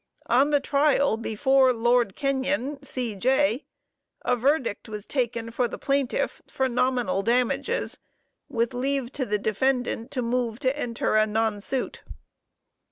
On the trial before Lord Kenyon, C.J., a verdict was taken for the plaintiff for nominal damages, with leave to the defendant to move to enter a non suit.